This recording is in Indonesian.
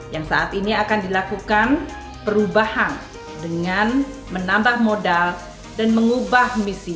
yang saat ini akan dilakukan perubahan dengan menambah modal dan mengubah misi